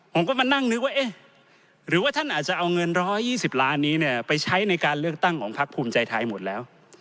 ผมก็มานั่งนึกว่าเอ๊ะหรือว่าท่านอาจจะเอาเงิน๑๒๐ล้านนี้เนี่ยไปใช้ในการเลือกตั้งของพักภูมิใจไทยหมดแล้ว